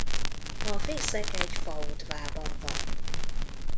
A fészek egy fa odvában van.